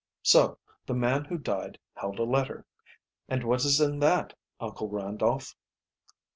"So the man who died held a letter. And what is in that, Uncle Randolph?"